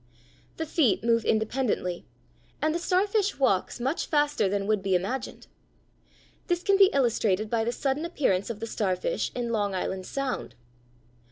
The feet move independently, and the starfish walks much faster than would be imagined. This can be illustrated by the sudden appearance of the starfish, in Long Island Sound.